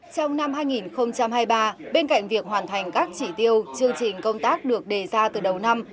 trong năm hai nghìn hai mươi ba bên cạnh việc hoàn thành các chỉ tiêu chương trình công tác được đề ra từ đầu năm